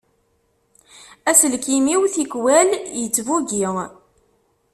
Aselkim-iw tikwal ittbugi.